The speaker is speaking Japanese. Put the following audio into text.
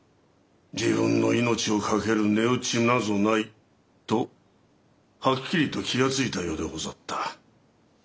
自分の命を懸ける値打ちなぞないとはっきりと気が付いたようでござった。